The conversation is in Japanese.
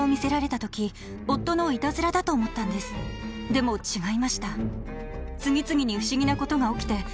「でも違いました」